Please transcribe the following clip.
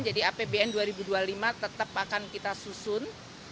apbn dua ribu dua puluh lima tetap akan kita susun